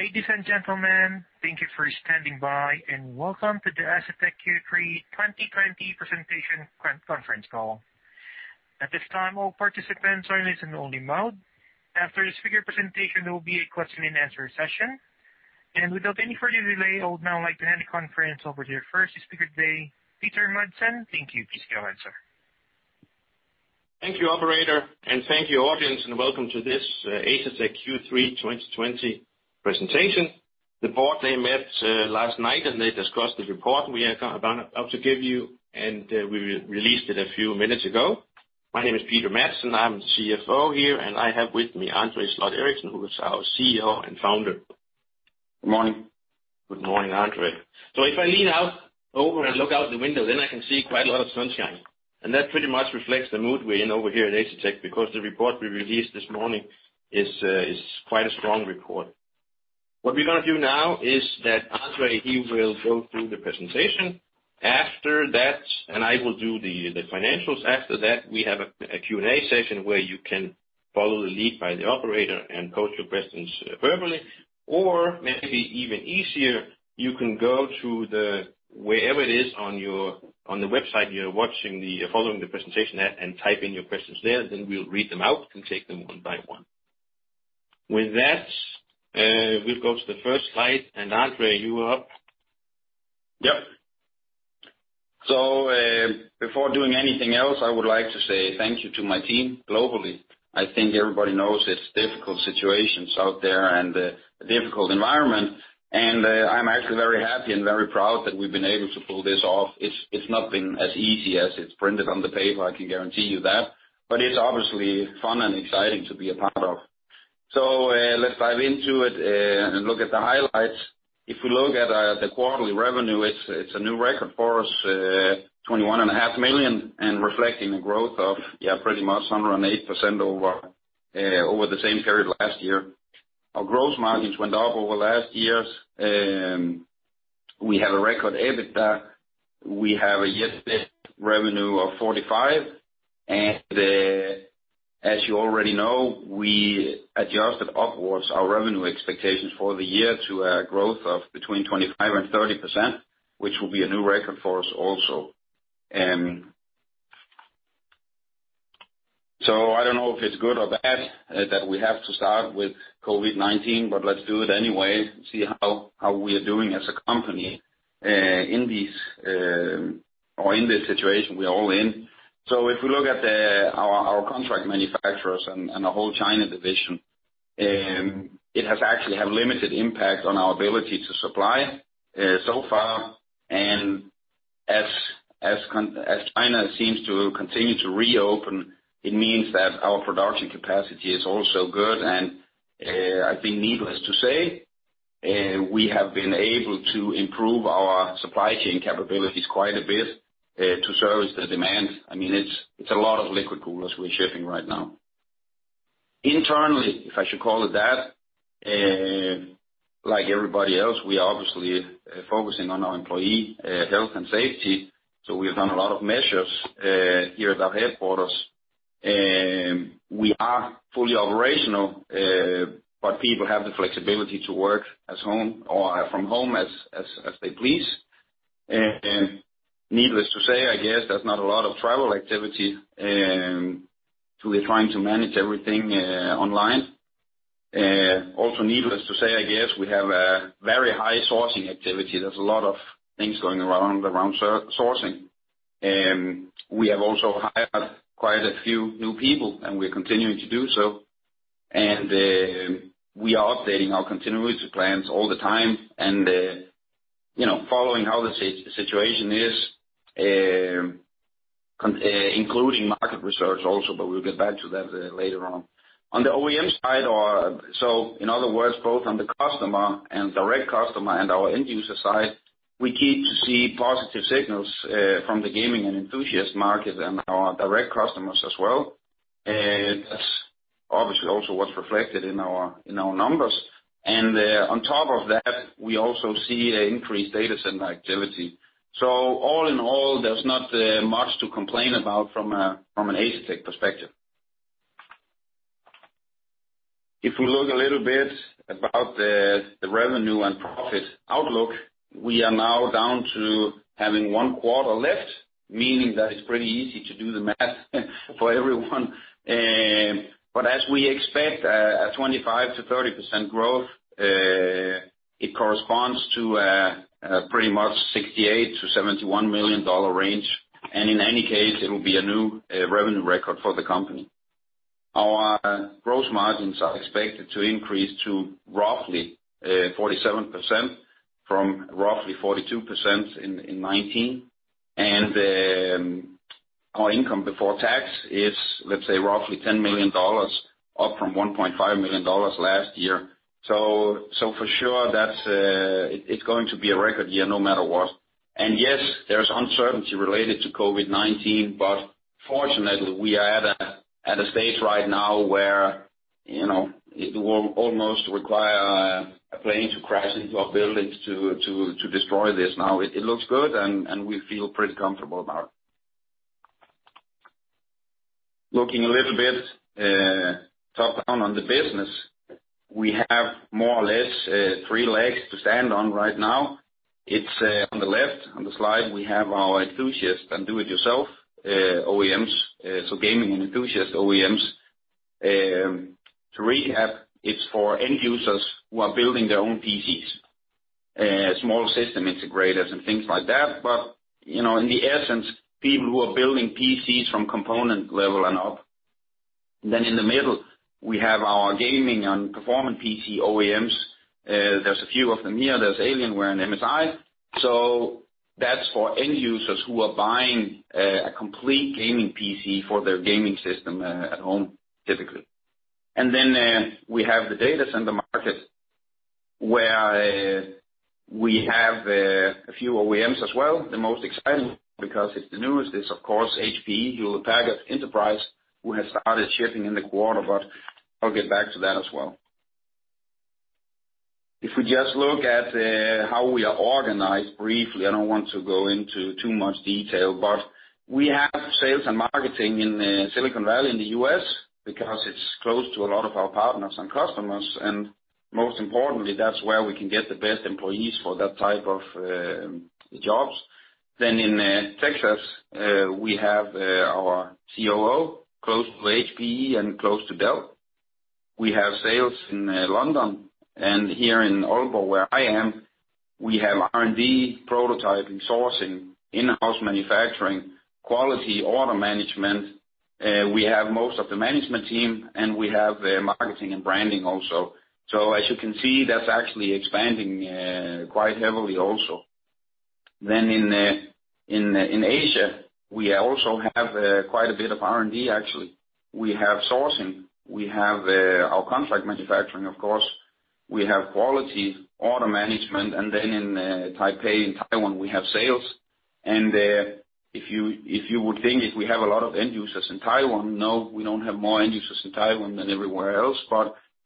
Ladies and gentlemen, thank you for standing by, and welcome to the Asetek Q3 2020 presentation conference call. At this time, all participants are in listen-only mode. After the speaker presentation, there will be a question and answer session. Without any further delay, I would now like to hand the conference over to our first speaker today, Peter Madsen. Thank you. Please go ahead, sir. Thank you, operator, and thank you, audience, and welcome to this Asetek Q3 2020 presentation. The board, they met last night, and they discussed the report we are about to give you, and we released it a few minutes ago. My name is Peter Madsen, I'm the CFO here, and I have with me André Sloth Eriksen, who is our CEO and Founder. Good morning. Good morning, André. If I lean out, over and look out the window, I can see quite a lot of sunshine. That pretty much reflects the mood we're in over here at Asetek, because the report we released this morning is quite a strong report. What we're going to do now is that André, he will go through the presentation. I will do the financials. After that, we have a Q&A session where you can follow the lead by the operator and pose your questions verbally. Maybe even easier, you can go to wherever it is on the website you're following the presentation at, type in your questions there. We'll read them out and take them one by one. With that, we'll go to the first slide. André, you are up. Yep. Before doing anything else, I would like to say thank you to my team globally. I think everybody knows it's difficult situations out there and a difficult environment, and I'm actually very happy and very proud that we've been able to pull this off. It's not been as easy as it's printed on the paper, I can guarantee you that, but it's obviously fun and exciting to be a part of. Let's dive into it, and look at the highlights. If we look at the quarterly revenue, it's a new record for us, $21.5 million, and reflecting the growth of pretty much 108% over the same period last year. Our gross margins went up over last year's. We have a record EBITDA. We have a year-to-date revenue of $45 million, as you already know, we adjusted upwards our revenue expectations for the year to a growth of between 25% and 30%, which will be a new record for us also. I don't know if it's good or bad that we have to start with COVID-19, let's do it anyway, see how we are doing as a company in this situation we're all in. If we look at our contract manufacturers and the whole China division, it has actually had limited impact on our ability to supply so far. As China seems to continue to reopen, it means that our production capacity is also good. I think needless to say, we have been able to improve our supply chain capabilities quite a bit to service the demand. It's a lot of liquid coolers we're shipping right now. Internally, if I should call it that, like everybody else, we are obviously focusing on our employee health and safety. We've done a lot of measures here at our headquarters. We are fully operational, but people have the flexibility to work from home as they please. Needless to say, I guess there's not a lot of travel activity, so we're trying to manage everything online. Also needless to say, I guess, we have a very high sourcing activity. There's a lot of things going around sourcing. We have also hired quite a few new people, and we're continuing to do so. We are updating our continuity plans all the time and following how the situation is, including market research also, but we'll get back to that later on. On the OEM side, so in other words, both on the customer and direct customer and our end user side, we keep to see positive signals from the gaming and enthusiast market and our direct customers as well. That's obviously also what's reflected in our numbers. On top of that, we also see an increased data center activity. All in all, there's not much to complain about from an Asetek perspective. If we look a little bit about the revenue and profit outlook, we are now down to having one quarter left, meaning that it's pretty easy to do the math for everyone. As we expect a 25%-30% growth, it corresponds to pretty much $68 million-$71 million range. In any case, it will be a new revenue record for the company. Our gross margins are expected to increase to roughly 47%, from roughly 42% in 2019. Our income before tax is, let's say, roughly $10 million, up from $1.5 million last year. For sure it's going to be a record year no matter what. Yes, there's uncertainty related to COVID-19, but fortunately, we are at a stage right now where it will almost require a plane to crash into our buildings to destroy this now. It looks good, and we feel pretty comfortable about. Looking a little bit top-down on the business, we have more or less three legs to stand on right now. On the left, on the slide, we have our enthusiast and do-it-yourself OEMs. Gaming and enthusiast OEMs. Three, it's for end users who are building their own PCs, small system integrators and things like that, but in the essence, people who are building PCs from component level and up. In the middle, we have our gaming and performance PC OEMs. There's a few of them here. There's Alienware and MSI. That's for end users who are buying a complete gaming PC for their gaming system at home, typically. We have the data center market, where we have a few OEMs as well. The most exciting, because it's the newest, is, of course, HPE Hewlett Packard Enterprise, who has started shipping in the quarter, I'll get back to that as well. If we just look at how we are organized briefly, I don't want to go into too much detail, but we have sales and marketing in Silicon Valley in the U.S. because it's close to a lot of our partners and customers, and most importantly, that's where we can get the best employees for that type of jobs. In Texas, we have our COO, close to HPE and close to Dell. We have sales in London and here in Aalborg, where I am, we have R&D, prototyping, sourcing, in-house manufacturing, quality order management. We have most of the management team, and we have marketing and branding also. As you can see, that's actually expanding quite heavily also. In Asia, we also have quite a bit of R&D, actually. We have sourcing. We have our contract manufacturing, of course. We have quality order management, and then in Taipei, in Taiwan, we have sales. If you would think if we have a lot of end users in Taiwan, no, we don't have more end users in Taiwan than everywhere else.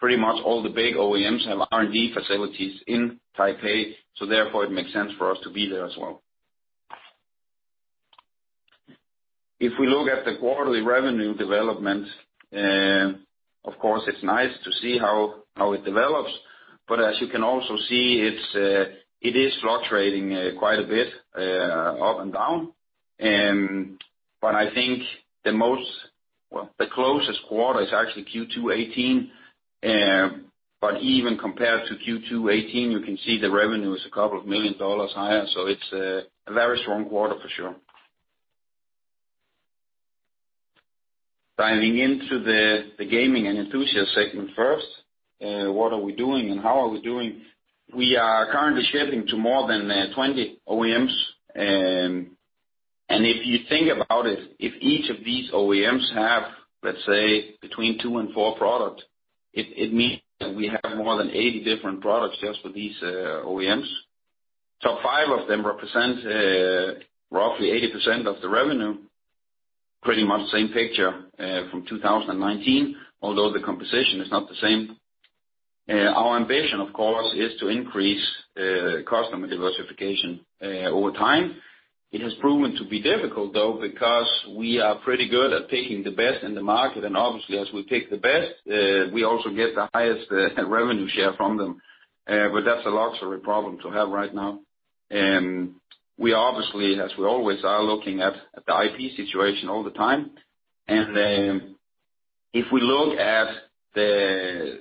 Pretty much all the big OEMs have R&D facilities in Taipei, so therefore it makes sense for us to be there as well. If we look at the quarterly revenue development, of course, it's nice to see how it develops. As you can also see, it is fluctuating quite a bit, up and down. I think the closest quarter is actually Q2 2018. Even compared to Q2 2018, you can see the revenue is a couple of million dollars higher. It's a very strong quarter for sure. Diving into the gaming and enthusiast segment first, what are we doing and how are we doing? We are currently shipping to more than 20 OEMs. If you think about it, if each of these OEMs have, let's say, between two and four products, it means that we have more than 80 different products just for these OEMs. Top five of them represent roughly 80% of the revenue, pretty much the same picture from 2019, although the composition is not the same. Our ambition, of course, is to increase customer diversification over time. It has proven to be difficult, though, because we are pretty good at taking the best in the market, and obviously, as we take the best, we also get the highest revenue share from them. That's a luxury problem to have right now. We obviously, as we always are, looking at the IP situation all the time. If we look at the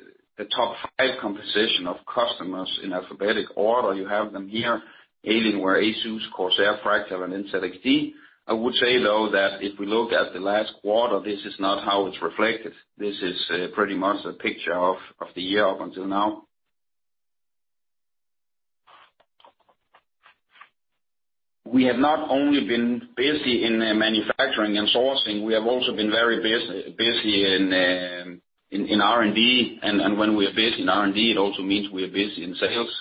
top five composition of customers in alphabetic order, you have them here, Alienware, ASUS, Corsair, Fractal, and NZXT. I would say, though, that if we look at the last quarter, this is not how it's reflected. This is pretty much a picture of the year up until now. We have not only been busy in manufacturing and sourcing, we have also been very busy in R&D. When we are busy in R&D, it also means we are busy in sales.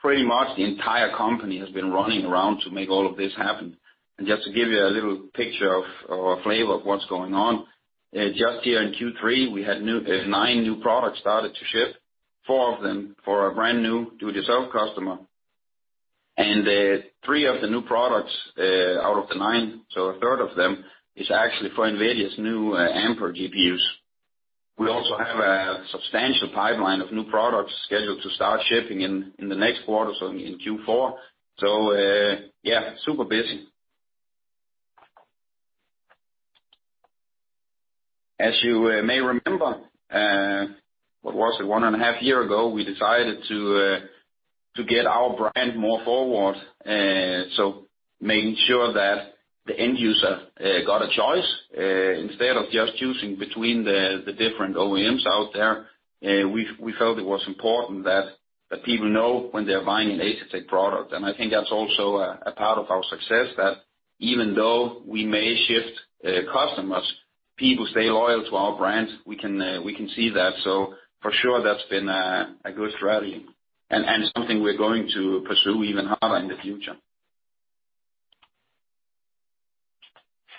Pretty much the entire company has been running around to make all of this happen. Just to give you a little picture of, or a flavor of what's going on, just here in Q3, we had nine new products started to ship, four of them for a brand-new do-it-yourself customer. Three of the new products out of the nine, so 1/3 of them, is actually for NVIDIA's new Ampere GPUs. We also have a substantial pipeline of new products scheduled to start shipping in the next quarter, so in Q4. Yeah, super busy. As you may remember, what was it, one and a half years ago, we decided to get our brand more forward. Making sure that the end user got a choice instead of just choosing between the different OEMs out there. We felt it was important that people know when they're buying an Asetek product. I think that's also a part of our success, that even though we may shift customers, people stay loyal to our brand. We can see that. For sure, that's been a good strategy and something we're going to pursue even harder in the future.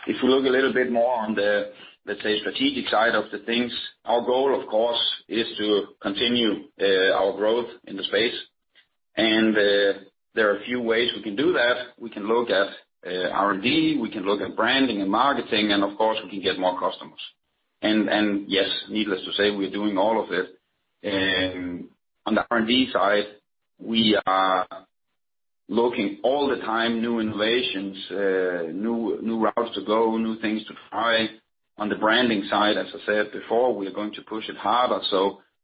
If we look a little bit more on the, let's say, strategic side of the things, our goal, of course, is to continue our growth in the space. There are a few ways we can do that. We can look at R&D, we can look at branding and marketing, and of course, we can get more customers. Yes, needless to say, we're doing all of it. On the R&D side, we are looking all the time new innovations, new routes to go, new things to try. On the branding side, as I said before, we are going to push it harder.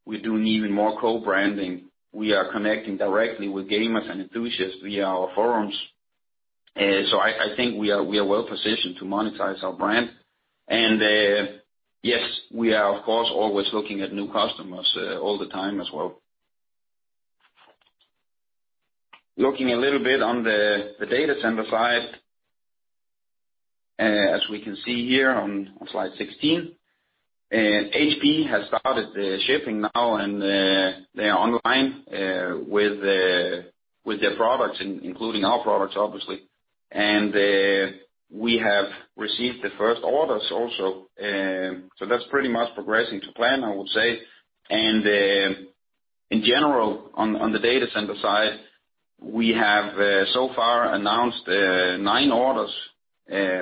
We're doing even more co-branding. We are connecting directly with gamers and enthusiasts via our forums. I think we are well-positioned to monetize our brand. Yes, we are, of course, always looking at new customers all the time as well. Looking a little bit on the data center side, as we can see here on slide 16, HPE has started the shipping now, and they are online with their products, including our products, obviously. We have received the first orders also. That's pretty much progressing to plan, I would say. In general, on the data center side, we have so far announced nine orders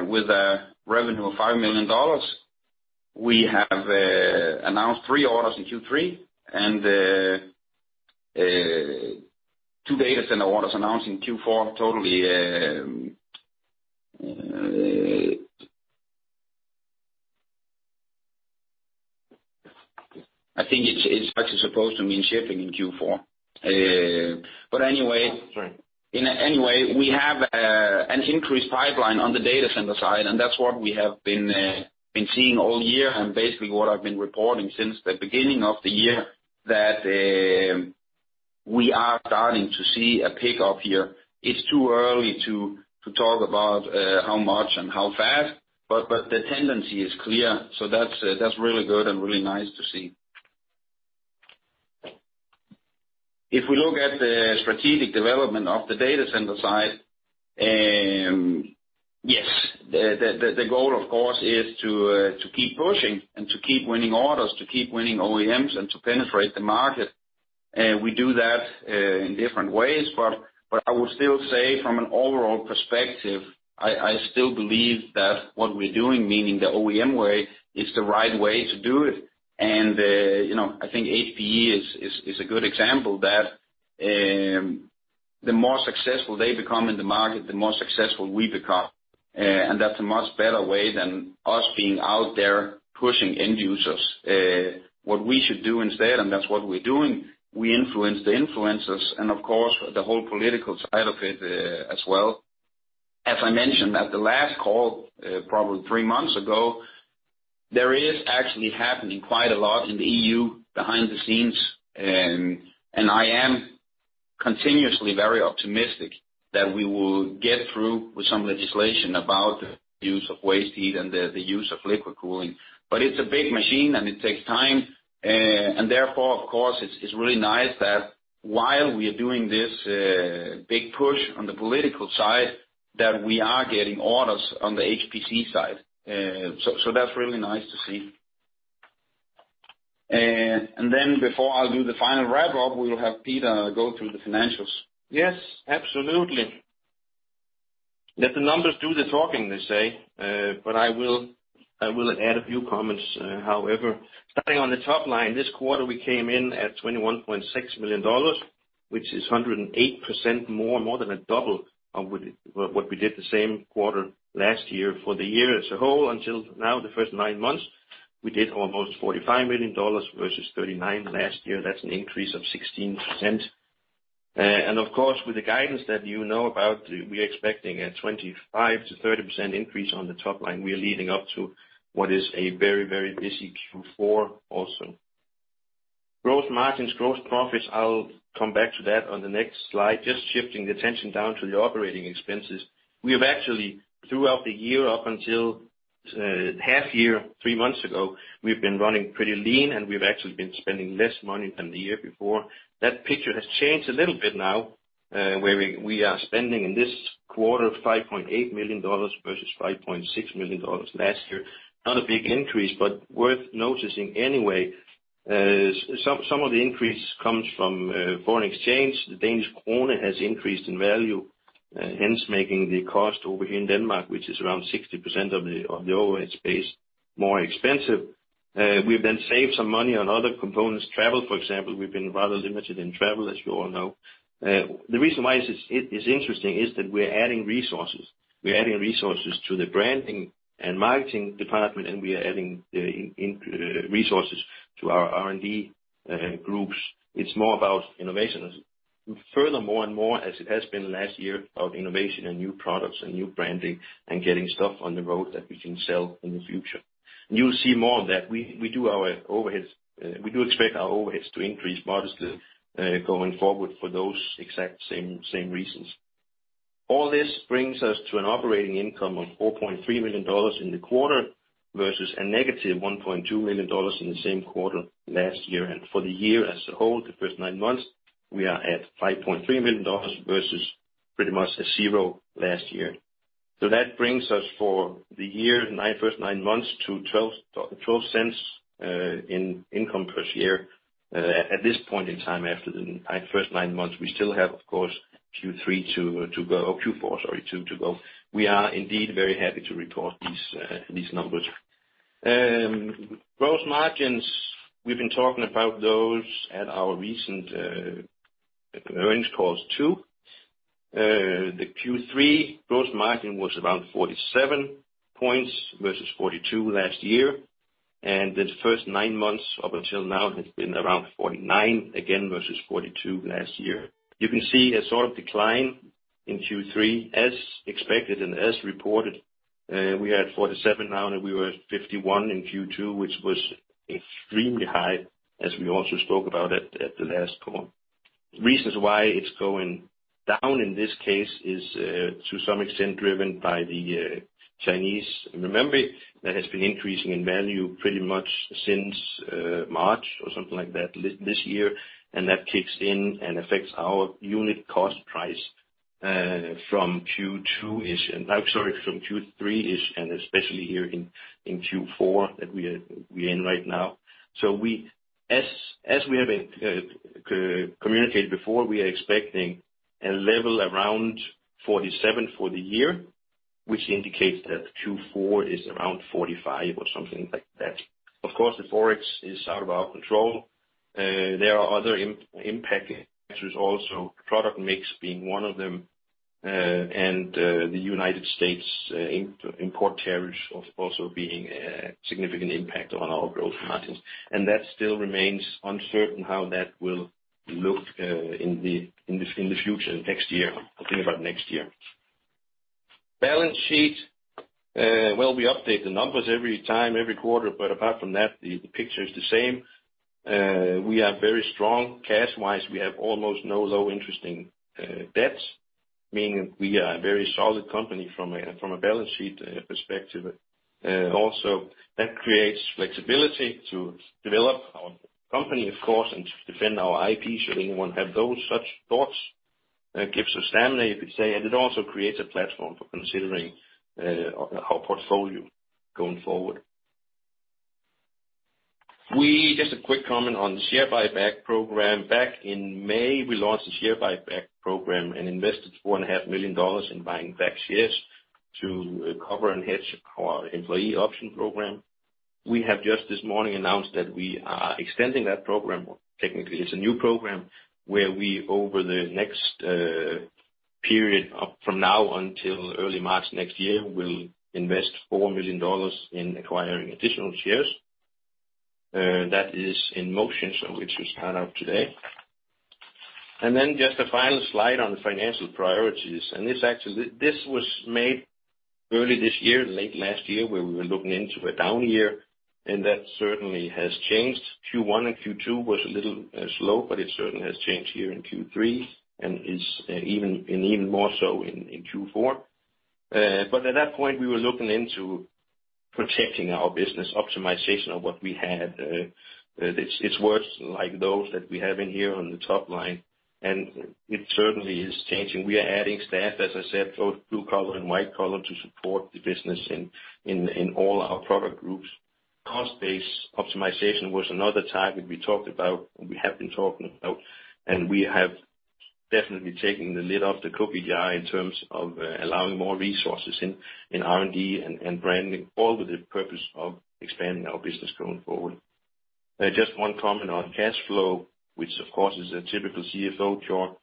with a revenue of $5 million. We have announced three orders in Q3 and two data center orders announced in Q4, totally I think it's actually supposed to mean shipping in Q4. Oh, sorry. We have an increased pipeline on the data center side, and that's what we have been seeing all year and basically what I've been reporting since the beginning of the year, that we are starting to see a pickup here. It's too early to talk about how much and how fast, but the tendency is clear. That's really good and really nice to see. If we look at the strategic development of the data center side, yes, the goal, of course, is to keep pushing and to keep winning orders, to keep winning OEMs and to penetrate the market. We do that in different ways, but I would still say from an overall perspective, I still believe that what we're doing, meaning the OEM way, is the right way to do it. I think HPE is a good example that the more successful they become in the market, the more successful we become. That's a much better way than us being out there pushing end users. What we should do instead, and that's what we're doing, we influence the influencers and of course, the whole political side of it as well. As I mentioned at the last call, probably three months ago, there is actually happening quite a lot in the EU behind the scenes, and I am continuously very optimistic that we will get through with some legislation about the use of waste heat and the use of liquid cooling. It's a big machine, and it takes time. Therefore, of course, it's really nice that while we are doing this big push on the political side, that we are getting orders on the HPC side. That's really nice to see. Before I'll do the final wrap-up, we will have Peter go through the financials. Yes, absolutely. Let the numbers do the talking, they say, but I will add a few comments, however. Starting on the top line, this quarter, we came in at $21.6 million, which is 108% more than a double of what we did the same quarter last year. For the year as a whole, until now, the first nine months, we did almost $45 million versus $39 million last year. That's an increase of 16%. Of course, with the guidance that you know about, we are expecting a 25%-30% increase on the top line. We are leading up to what is a very, very busy Q4 also. Gross margins, gross profits, I'll come back to that on the next slide. Just shifting the attention down to the operating expenses. We have actually, throughout the year, up until half year, three months ago, we've been running pretty lean, and we've actually been spending less money than the year before. That picture has changed a little bit now, where we are spending in this quarter $5.8 million versus $5.6 million last year. Not a big increase, but worth noticing anyway. Some of the increase comes from foreign exchange. The Danish krone has increased in value, hence making the cost over here in Denmark, which is around 60% of the overhead space, more expensive. We've then saved some money on other components. Travel, for example. We've been rather limited in travel, as you all know. The reason why it's interesting is that we're adding resources. We're adding resources to the branding and marketing department, and we are adding resources to our R&D groups. It's more about innovation. Furthermore and more, as it has been last year, about innovation and new products and new branding and getting stuff on the road that we can sell in the future. You'll see more on that. We do expect our overheads to increase modestly going forward for those exact same reasons. All this brings us to an operating income of $4.3 million in the quarter versus a -$1.2 million in the same quarter last year. For the year as a whole, the first nine months, we are at $5.3 million versus pretty much a zero last year. That brings us for the year, first nine months to $0.12 in income per share. At this point in time, after the first nine months, we still have, of course, Q4 to go. We are indeed very happy to report these numbers. Gross margins, we've been talking about those at our recent earnings calls, too. The Q3 gross margin was around 47 points versus 42% last year, and the first nine months up until now has been around 49%, again, versus 42% last year. You can see a sort of decline in Q3 as expected and as reported. We are at 47% now, and we were at 51% in Q2, which was extremely high, as we also spoke about at the last call. Reasons why it's going down in this case is, to some extent, driven by the Chinese renminbi that has been increasing in value pretty much since March or something like that this year. That kicks in and affects our unit cost price from Q3-ish and especially here in Q4 that we are in right now. As we have communicated before, we are expecting a level around 47% for the year, which indicates that Q4 is around 45% or something like that. Of course, the Forex is out of our control. There are other impact factors also, product mix being one of them, and the United States import tariffs also being a significant impact on our gross margins. That still remains uncertain how that will look in the future, in next year, talking about next year. Balance sheet. Well, we update the numbers every time, every quarter, but apart from that, the picture is the same. We are very strong cash-wise. We have almost no low-interest debt, meaning we are a very solid company from a balance sheet perspective. Also, that creates flexibility to develop our company, of course, and to defend our IP should anyone have such thoughts. Gives us stamina, you could say, and it also creates a platform for considering our portfolio going forward. Just a quick comment on the share buyback program. Back in May, we launched a share buyback program and invested $4.5 million in buying back shares to cover and hedge our employee option program. We have just this morning announced that we are extending that program. Technically, it's a new program where we, over the next period from now until early March next year, will invest $4 million in acquiring additional shares. That is in motion, which we found out today. Then just a final slide on financial priorities. This was made early this year, late last year, where we were looking into a down year, and that certainly has changed. Q1 and Q2 was a little slow. It certainly has changed here in Q3 and even more so in Q4. At that point, we were looking into protecting our business, optimization of what we had. It's words like those that we have in here on the top line, and it certainly is changing. We are adding staff, as I said, both blue collar and white collar, to support the business in all our product groups. Cost-based optimization was another target we talked about, and we have been talking about, and we have definitely taken the lid off the cookie jar in terms of allowing more resources in R&D and branding, all with the purpose of expanding our business going forward. Just one comment on cash flow, which of course is a typical CFO talk.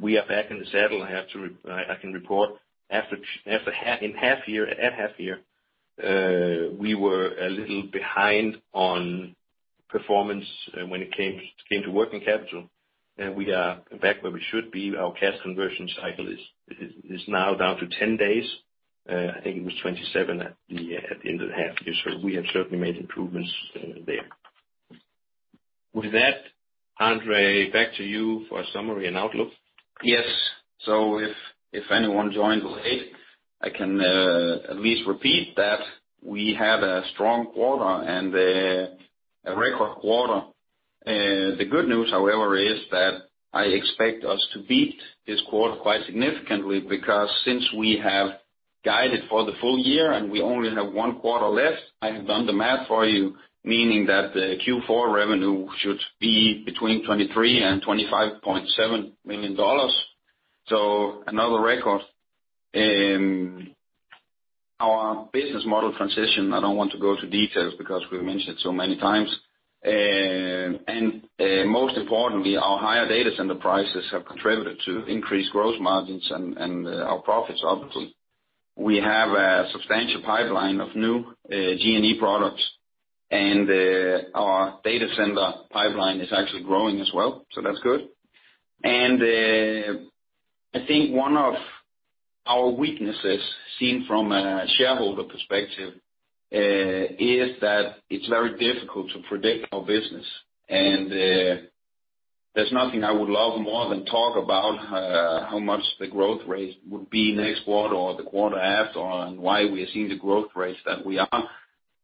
We are back in the saddle, I can report. At half year, we were a little behind on performance when it came to working capital. We are back where we should be. Our cash conversion cycle is now down to 10 days. I think it was 27 at the end of the half year. We have certainly made improvements there. With that, André, back to you for a summary and outlook. Yes. If anyone joined late, I can at least repeat that we had a strong quarter and a record quarter. The good news, however, is that I expect us to beat this quarter quite significantly because since we have guided for the full year and we only have one quarter left, I have done the math for you, meaning that the Q4 revenue should be between $23 million and $25.7 million. Another record. Our business model transition, I don't want to go to details because we've mentioned it so many times. Most importantly, our higher data center prices have contributed to increased gross margins and our profits, obviously. We have a substantial pipeline of new G&E products, and our data center pipeline is actually growing as well, so that's good. I think one of our weaknesses seen from a shareholder perspective, is that it's very difficult to predict our business. There's nothing I would love more than talk about how much the growth rate would be next quarter or the quarter after, and why we are seeing the growth rates that we are.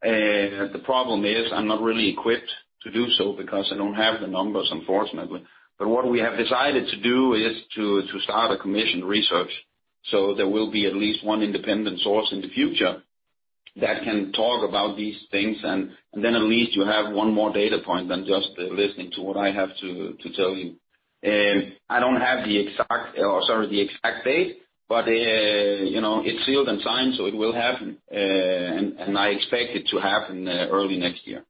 The problem is I'm not really equipped to do so because I don't have the numbers, unfortunately. What we have decided to do is to start a commissioned research. There will be at least one independent source in the future that can talk about these things, and then at least you have one more data point than just listening to what I have to tell you. I don't have the exact date, but it's sealed and signed, so it will happen. I expect it to happen early next year.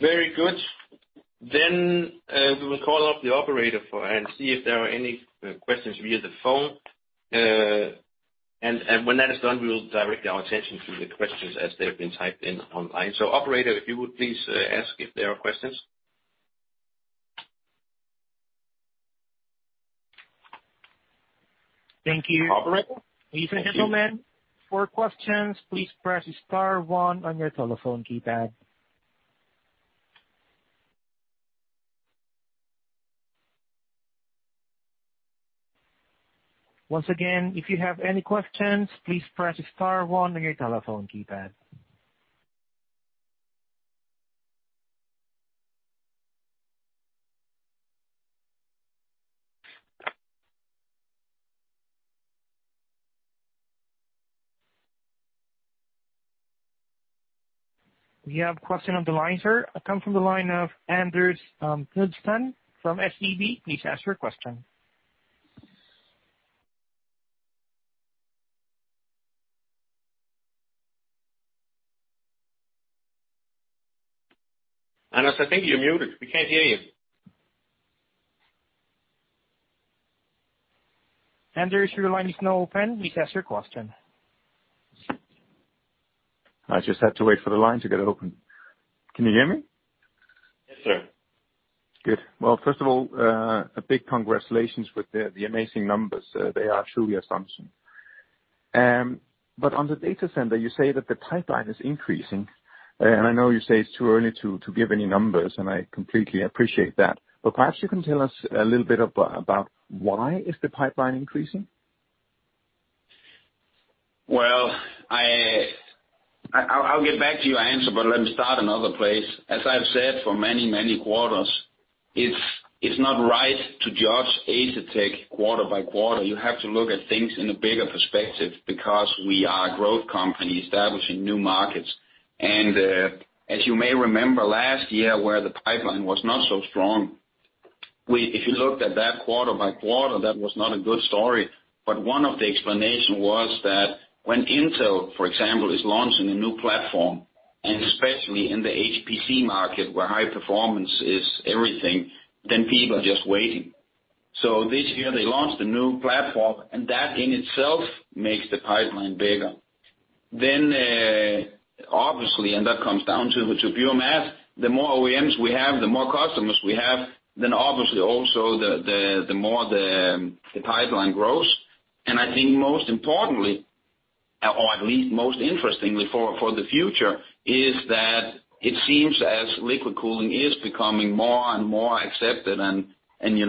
Very good. We will call up the operator and see if there are any questions via the phone. When that is done, we will direct our attention to the questions as they've been typed in online. Operator, if you would please ask if there are questions. Thank you. Operator? Ladies and gentlemen, for questions, please press star one on your telephone keypad. Once again, if you have any questions, please press star one on your telephone keypad. We have a question on the line, sir. It comes from the line of Anders Knudsen from SEB. Please ask your question. Anders, I think you're muted. We can't hear you. Anders, your line is now open. Please ask your question. I just had to wait for the line to get open. Can you hear me? Yes, sir. Good. Well, first of all, a big congratulations with the amazing numbers. They are truly awesome. On the data center, you say that the pipeline is increasing. I know you say it's too early to give any numbers, and I completely appreciate that. Perhaps you can tell us a little bit about why is the pipeline increasing? I'll get back to your answer, but let me start another place. As I've said for many, many quarters, it's not right to judge Asetek quarter-by-quarter. You have to look at things in a bigger perspective because we are a growth company establishing new markets. As you may remember last year where the pipeline was not so strong, if you looked at that quarter by quarter, that was not a good story. One of the explanation was that when Intel, for example, is launching a new platform, and especially in the HPC market where high performance is everything, then people are just waiting. This year they launched a new platform and that in itself makes the pipeline bigger. Obviously, and that comes down to pure math, the more OEMs we have, the more customers we have, then obviously also the more the pipeline grows. I think most importantly, or at least most interestingly for the future, is that it seems as liquid cooling is becoming more and more accepted and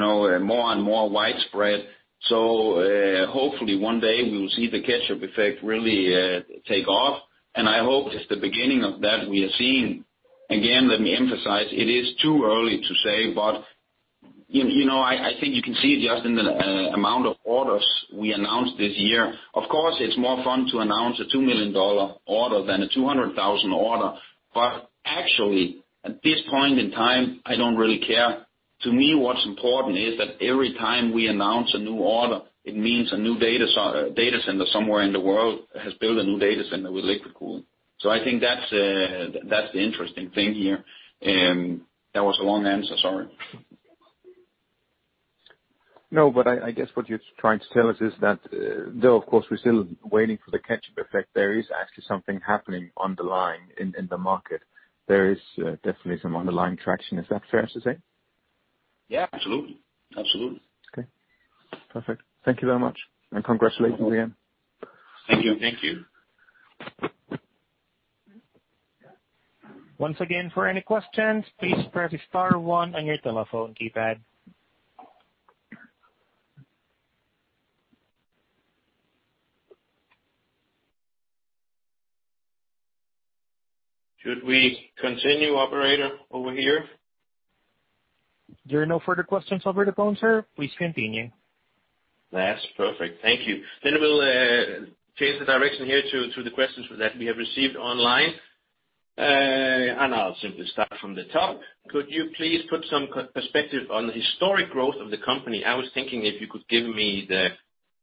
more and more widespread. Hopefully one day we will see the ketchup effect really take off. I hope it's the beginning of that we are seeing. Again, let me emphasize, it is too early to say, but I think you can see it just in the amount of orders we announced this year. Of course, it's more fun to announce a $2 million order than a $200,000 order. Actually, at this point in time, I don't really care. To me, what's important is that every time we announce a new order, it means a new data center somewhere in the world has built a new data center with liquid cooling. I think that's the interesting thing here. That was a long answer, sorry. No, I guess what you're trying to tell us is that, though, of course, we're still waiting for the catch-up effect, there is actually something happening underlying in the market. There is definitely some underlying traction. Is that fair to say? Yeah, absolutely. Okay. Perfect. Thank you very much and congratulations again. Thank you. Once again, for any questions, please press star one on your telephone keypad. Should we continue operator over here? There are no further questions over the phone, sir. Please continue. That's perfect. Thank you. We'll change the direction here to the questions that we have received online. I'll simply start from the top. Could you please put some perspective on the historic growth of the company? I was thinking if you could give me the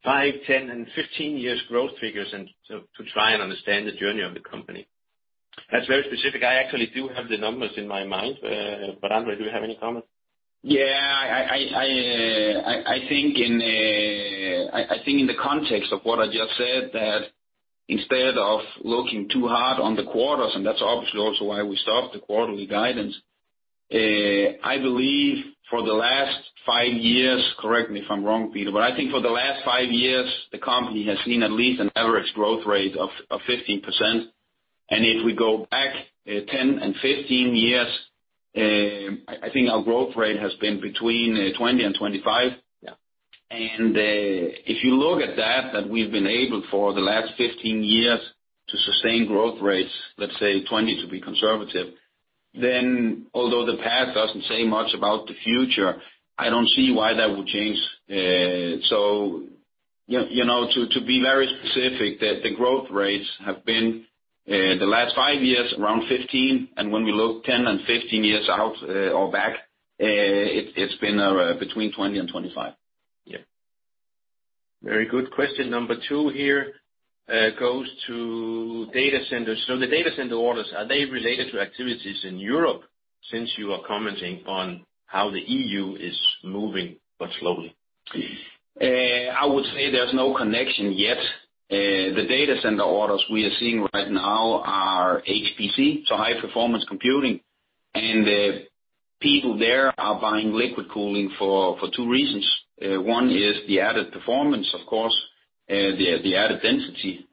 five, 10 and 15 years growth figures to try and understand the journey of the company. That's very specific. I actually do have the numbers in my mind. André, do you have any comments? Yeah. I think in the context of what I just said, that instead of looking too hard on the quarters, and that's obviously also why we stopped the quarterly guidance. I believe for the last five years, correct me if I'm wrong, Peter, but I think for the last five years, the company has seen at least an average growth rate of 15%. If we go back 10 and 15 years, I think our growth rate has been between 20% and 25%. Yeah. If you look at that we've been able for the last 15 years to sustain growth rates, let's say 20% to be conservative, then although the past doesn't say much about the future, I don't see why that would change. To be very specific, that the growth rates have been, the last five years, around 15, and when we look 10 and 15 years out or back, it's been between 20% and 25%. Yep. Very good. Question number two here goes to data centers. The data center orders, are they related to activities in Europe since you are commenting on how the EU is moving, but slowly? I would say there's no connection yet. The data center orders we are seeing right now are HPC, so high performance computing. People there are buying liquid cooling for two reasons. One is the added performance, of course, the added density.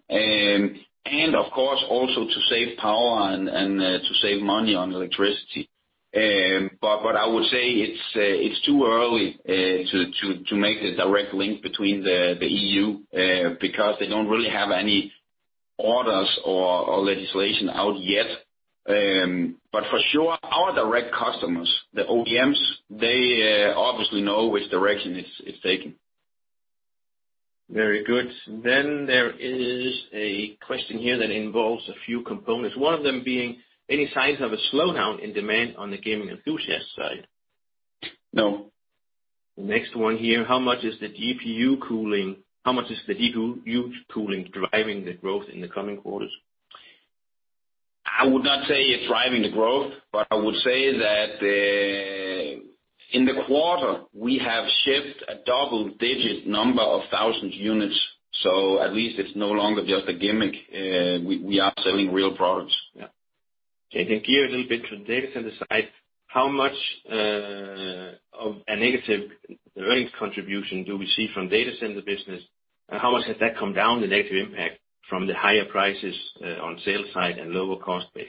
Of course, also to save power and to save money on electricity. I would say it's too early to make the direct link between the EU, because they don't really have any orders or legislation out yet. For sure, our direct customers, the OEMs, they obviously know which direction it's taking. Very good. There is a question here that involves a few components, one of them being any signs of a slowdown in demand on the gaming enthusiast side? No. The next one here, how much is the GPU cooling driving the growth in the coming quarters? I would not say it's driving the growth, but I would say that in the quarter, we have shipped a double-digit number of thousand units, so at least it's no longer just a gimmick. We are selling real products. Yeah. Okay, gear a little bit to the data center side. How much of a negative earnings contribution do we see from data center business, and how much has that come down, the negative impact from the higher prices on sales side and lower cost base?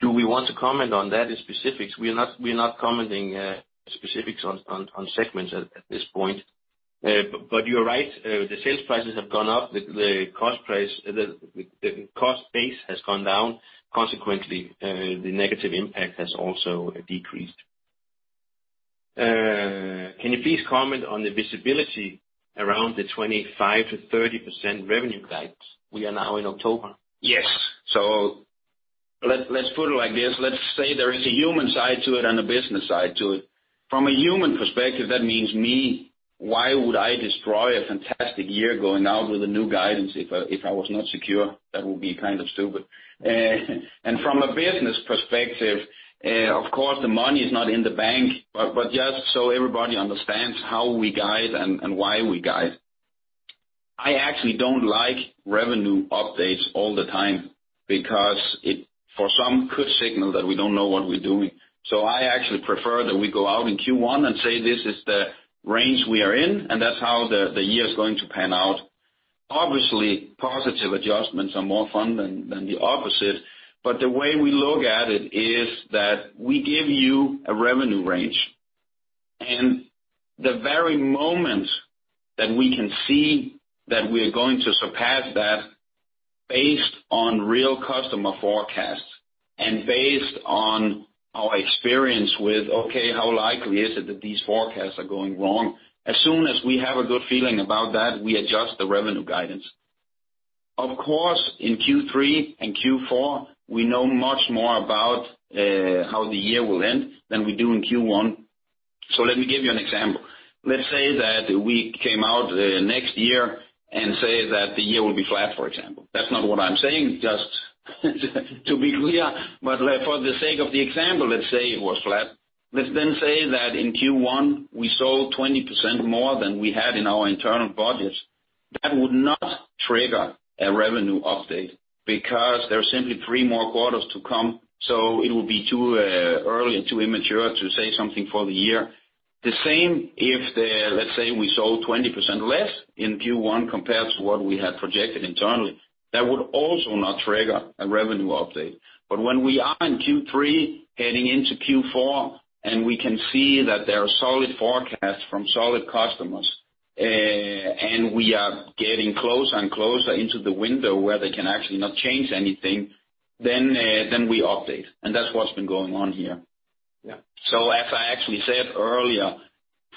Do we want to comment on that specifics? We're not commenting specifics on segments at this point. You're right, the sales prices have gone up, the cost base has gone down. Consequently, the negative impact has also decreased. Can you please comment on the visibility around the 25%-30% revenue guides? We are now in October. Yes. Let's put it like this. Let's say there is a human side to it and a business side to it. From a human perspective, that means me. Why would I destroy a fantastic year going out with a new guidance if I was not secure? That would be kind of stupid. From a business perspective, of course, the money is not in the bank. Just so everybody understands how we guide and why we guide, I actually don't like revenue updates all the time because it, for some, could signal that we don't know what we're doing. I actually prefer that we go out in Q1 and say, "This is the range we are in, and that's how the year is going to pan out." Obviously, positive adjustments are more fun than the opposite, but the way we look at it is that we give you a revenue range. The very moment that we can see that we're going to surpass that based on real customer forecasts and based on our experience with, okay, how likely is it that these forecasts are going wrong? As soon as we have a good feeling about that, we adjust the revenue guidance. In Q3 and Q4, we know much more about how the year will end than we do in Q1. Let me give you an example. Let's say that we came out next year and say that the year will be flat, for example. That's not what I'm saying, just to be clear. For the sake of the example, let's say it was flat. Let's then say that in Q1, we sold 20% more than we had in our internal budgets. That would not trigger a revenue update because there are simply three more quarters to come, so it would be too early and too immature to say something for the year. The same if, let's say, we sold 20% less in Q1 compared to what we had projected internally. That would also not trigger a revenue update. When we are in Q3 heading into Q4, and we can see that there are solid forecasts from solid customers, and we are getting closer and closer into the window where they can actually not change anything, then we update, and that's what's been going on here. Yeah. As I actually said earlier,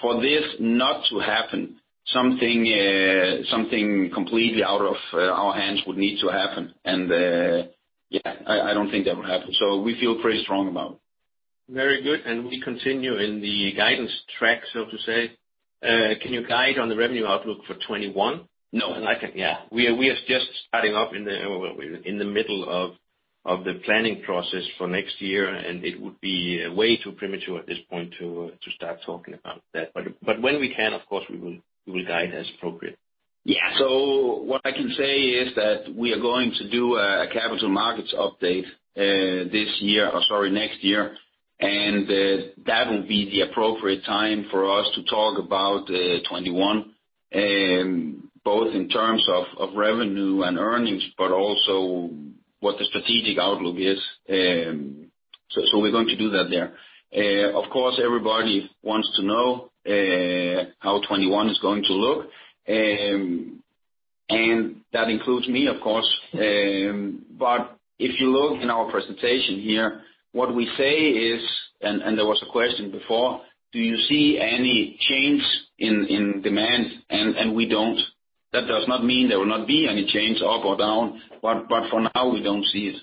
for this not to happen, something completely out of our hands would need to happen. Yeah, I don't think that will happen. We feel pretty strong about it. Very good. We continue in the guidance track, so to say. Can you guide on the revenue outlook for 2021? No. We are just starting off in the middle of the planning process for next year. It would be way too premature at this point to start talking about that. When we can, of course we will guide as appropriate. Yeah. What I can say is that we are going to do a capital markets update this year, or sorry, next year, and that will be the appropriate time for us to talk about 2021, both in terms of revenue and earnings, but also what the strategic outlook is. We're going to do that there. Of course, everybody wants to know how 2021 is going to look, and that includes me, of course. If you look in our presentation here, what we say is, and there was a question before, do you see any change in demand? We don't. That does not mean there will not be any change up or down, but for now, we don't see it.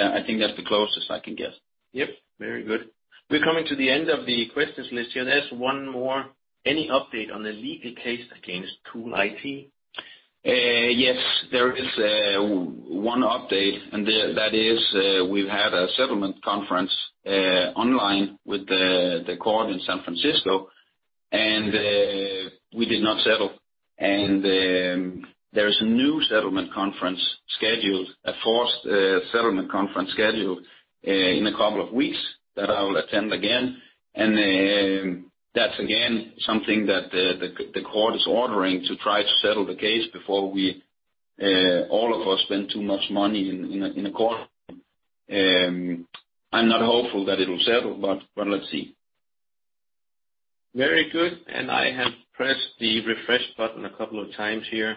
I think that's the closest I can get. Yep, very good. We're coming to the end of the questions list here. There's one more. Any update on the legal case against CoolIT? Yes, there is one update, and that is, we've had a settlement conference online with the court in San Francisco, and we did not settle. There is a new settlement conference scheduled, a forced settlement conference scheduled in a couple of weeks that I will attend again. That's again, something that the court is ordering to try to settle the case before all of us spend too much money in a court. I'm not hopeful that it will settle, but let's see. Very good. I have pressed the refresh button a couple of times here,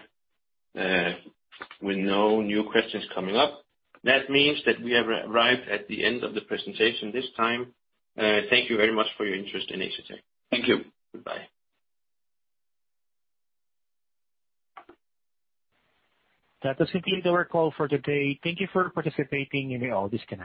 with no new questions coming up. That means that we have arrived at the end of the presentation this time. Thank you very much for your interest in Asetek. Thank you. Goodbye. That does conclude our call for today. Thank you for participating, and you may all disconnect.